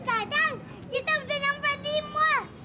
sekarang kita sudah sampai di mall